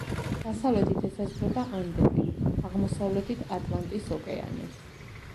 დასავლეთით ესაზღვრება ანდები, აღმოსავლეთით ატლანტის ოკეანე.